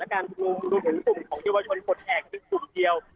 และการสูงสูงกลุ่มของเยาวะยนต์ผลแอกคือกลุ่มเดียว